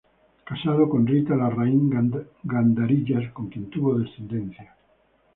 Casado con Rita Larraín Gandarillas, con quien tuvo descendencia.